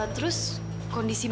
terus kondisi mbak